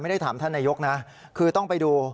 ไม่ได้ถามท่านนายกนะคือต้องไปดู